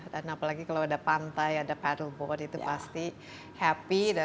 dan apalagi kalau ada pantai ada paddle board itu pasti happy